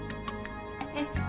えっ？